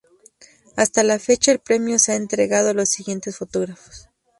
Hasta la fecha, el premio se ha entregado a los siguientes fotógrafos.